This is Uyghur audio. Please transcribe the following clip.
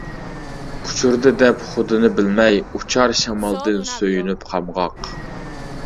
ئۇچۇردى دەپ خۇدىنى بىلمەي، ئۇچار شامالدىن سۆيۈنۈپ قامغاق.